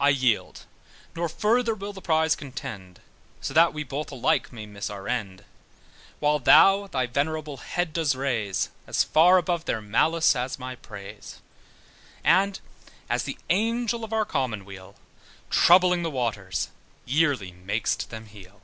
I yield, nor further will the prize contend, So that we both alike may miss our end: While thou thy venerable head dost raise As far above their malice as my praise, And as the Angel of our commonweal, Troubling the waters, yearly mak'st them heal.